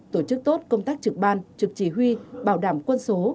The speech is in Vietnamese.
tổ chức tốt công tác trực ban trực chỉ huy bảo đảm quân số